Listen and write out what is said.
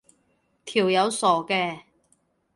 條友傻嘅